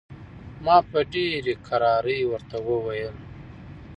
ما په ډېرې کرارۍ ورته وویل.